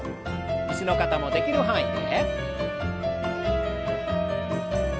椅子の方もできる範囲で。